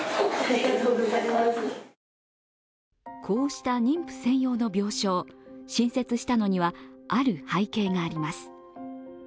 こうした妊婦専用の病床、新設したのには、ある背景があります。